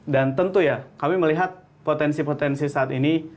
dan tentu ya kami melihat potensi potensi saat ini